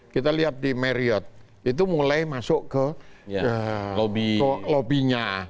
kita lihat di meriot itu mulai masuk ke lobinya